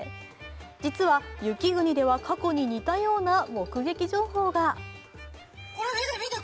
実は雪国では過去に似たような目撃情報が。